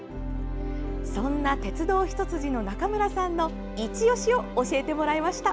そんな、鉄道一筋の中村さんのいちオシを教えてもらいました。